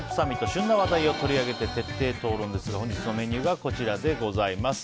旬な話題を取り上げて徹底討論ですが本日のメニューはこちらです。